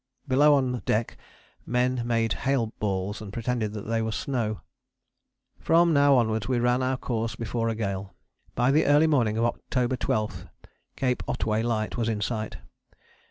Below on deck men made hail balls and pretended they were snow. From now onwards we ran on our course before a gale. By the early morning of October 12 Cape Otway light was in sight.